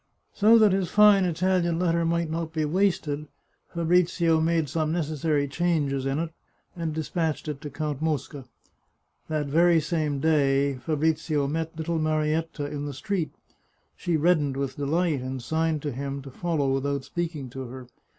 So that his fine Italian letter might not be wasted, Fabrizio made some necessary changes in it, and despatched it to Count Mosca. That very some day, Fabrizio met little Marietta in the street. She reddened with delight, and signed to him to follow without speaking to her.